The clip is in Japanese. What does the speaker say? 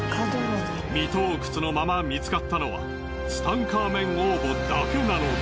未盗掘のまま見つかったのはツタンカーメン王墓だけなのだ。